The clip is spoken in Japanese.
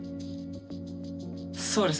そうですね。